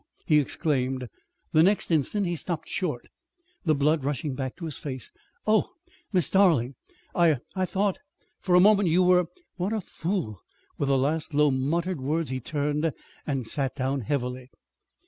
_" he exclaimed. The next instant he stopped short, the blood rushing back to his face. "Oh, Miss Darling! I er I thought, for a moment, you were What a fool!" With the last low muttered words he turned and sat down heavily.